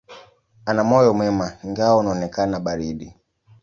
Ana moyo mwema, ingawa unaonekana baridi.